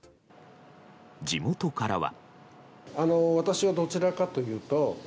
地元からは。